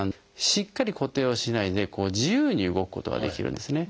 しっかり固定をしないで自由に動くことができるんですね。